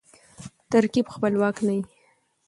ترکیب خپلواک نه يي.